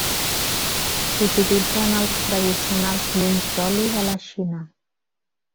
S'utilitza en els tradicionals llums d'oli de la Xina.